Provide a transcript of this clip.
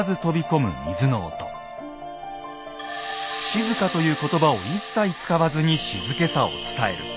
「静か」ということばを一切使わずに静けさを伝える。